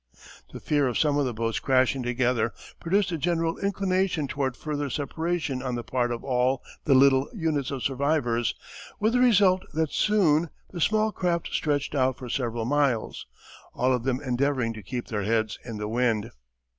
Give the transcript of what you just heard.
The fear of some of the boats crashing together produced a general inclination toward further separation on the part of all the little units of survivors, with the result that soon the small craft stretched out for several miles, all of them endeavouring to keep their heads in the wind.